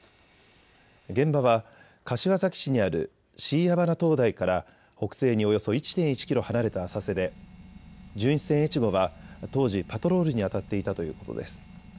現場は柏崎市にある椎谷鼻灯台から北西におよそ１．１キロ離れた浅瀬で巡視船えちごは当時、パトロールにあたっていたということです。